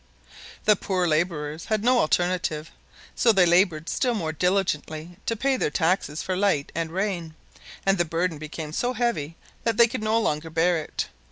The poor laborers had no alternative; so they labored still more diligently to pay their taxes for light and rain, and the burden became so heavy that they could no longer bear it.